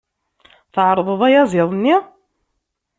Tɛerḍeḍ ayaziḍ-nni?